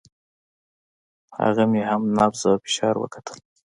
هغه مې هم نبض او فشار وکتل.